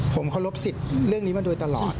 ผมเคารพสิทธิ์เรื่องนี้มาโดยตลอด